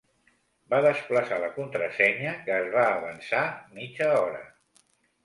Va desplaçar la "contrasenya", que es va avançar mitja hora.